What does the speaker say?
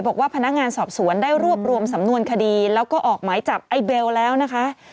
บอกว่าพนักงานสอบสวนได้รวบรวมสำนวนคดีแล้วก็ออกหมายจับไอ้เบลแล้วนะคะ